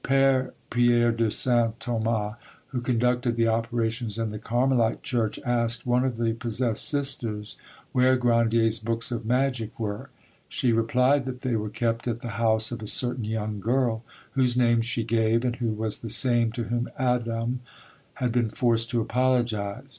Pere Pierre de Saint Thomas, who conducted the operations in the Carmelite church, asked one of the possessed sisters where Grandier's books of magic were; she replied that they were kept at the house of a certain young girl, whose name she gave, and who was the same to whom Adam had been forced to apologise.